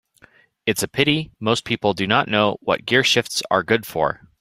It's a pity most people do not know what gearshifts are good for.